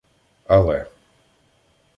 Але.